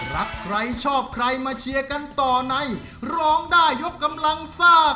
รักใครชอบใครมาเชียร์กันต่อในร้องได้ยกกำลังซ่า